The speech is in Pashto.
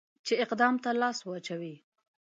چې اقدام ته لاس واچوي.